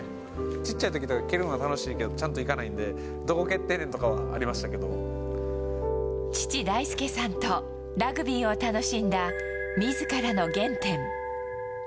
ちっちゃいとき、蹴るのは楽しいんですけどどこ行くのか分からないんで、どこ蹴っ父、大輔さんとラグビーを楽しんだ、みずからの原点。